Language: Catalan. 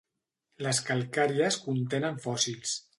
Les calcàries contenen fòssils.